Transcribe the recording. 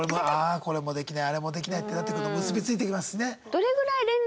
これもできないあれもできないってなってくると結び付いてきますしね。